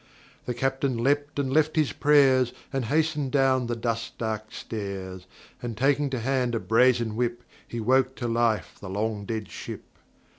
The Captain leapt and left his prayers And hastened down the dust dark stairs, And taking to hand a brazen Whip He woke to life the long dead ship.